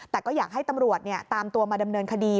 แต่ก็อยากให้ตำรวจตามตัวมาดำเนินคดี